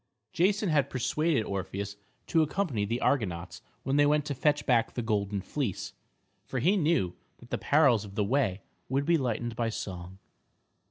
Jason had persuaded Orpheus to accompany the Argonauts when they went to fetch back the golden fleece, for he knew that the perils of the way would be lightened by song.